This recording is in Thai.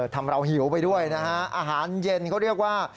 ทำเราหิวไปด้วยนะฮะอาหารเย็นเขาเรียกว่า